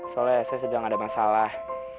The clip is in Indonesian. soalnya saya sedang ada masalah